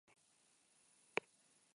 Datorren astean berriz bilduko dira.